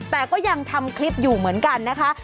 แต่ก็ยังทำคลิปอยู่เหมือนกันนะคะ